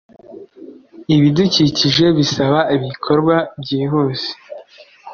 Ibidukikije bisaba ibikorwa byihuse